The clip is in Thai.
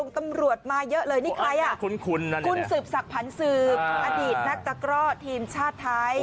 ตำรวจมาเยอะเลยนี่ใครอ่ะคุณสืบศักดิ์ผันสืบอดีตนักตะกร่อทีมชาติไทย